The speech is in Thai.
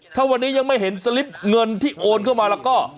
ถ้าวันนี้ยังไม่เห็นสลิปเงินที่โอนเข้ามาแล้วก็